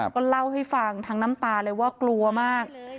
ก็เล่าให้ฟังทั้งน้ำตาเลยว่ากลัวมาก